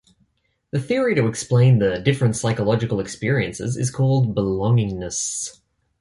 The theory to explain the different psychological experiences is called belongingness.